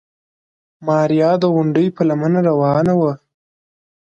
ماريا د غونډۍ په لمنه روانه وه.